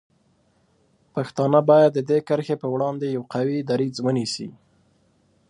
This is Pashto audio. پښتانه باید د دې کرښې په وړاندې یو قوي دریځ ونیسي.